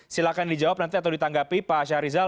silahkan dijawab nanti atau ditanggapi pak syahrizal